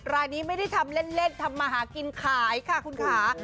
รายนี้ไม่ได้ทำเล่นทำมาหากินขายค่ะคุณค่ะ